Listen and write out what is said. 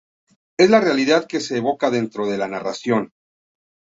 Es la realidad que se evoca dentro de la narración.